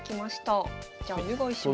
じゃあお願いします。